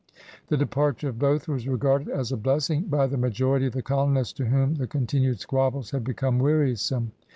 The departure of both was regarded as a blessing by the majority of the colonists to whom the con tinued squabbles had become wearisome.